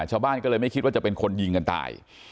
ชาวบ้านก็เลยไม่คิดว่าจะเป็นคนยิงกันตาย